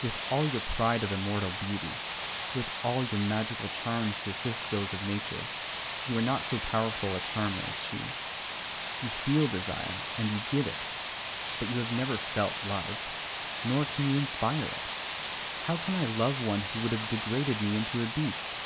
With all your pride of immortal beauty, with all your magical charms to assist those of Nature, you are not so powerful a charmer as she. You feel desire, and you give it, but you have never felt love, nor can you inspire it. How can I love one who would have degraded me into a beast?